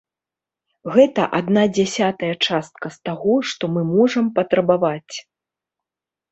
Гэта адна дзясятая частка з таго, што мы можам патрабаваць.